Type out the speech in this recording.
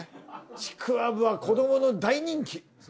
ちくわぶは子どもの大人気。